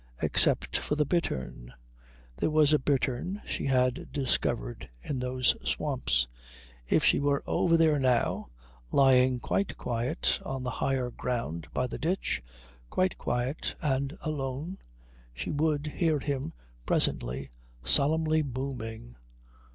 Except for the bittern. There was a bittern, she had discovered, in those swamps. If she were over there now, lying quite quiet on the higher ground by the ditch, quite quiet and alone, she would hear him presently, solemnly booming.